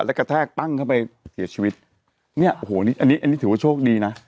แล้วกระแทกปั้งเข้าไปเสียชีวิตเนี่ยโอ้โหนี่อันนี้อันนี้ถือว่าโชคดีนะ